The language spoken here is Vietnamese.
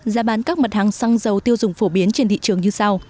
giá bán các mặt hàng xăng dầu tiêu dùng phổ biến trên thị trường như sau